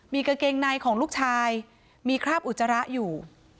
มีกางเกงในของลูกชายมีคราบอุจจาระอยู่